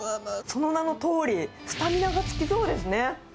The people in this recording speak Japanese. その名のとおり、スタミナがつきそうですね。